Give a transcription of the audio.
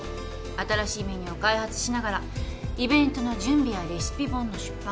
新しいメニューを開発しながらイベントの準備やレシピ本の出版。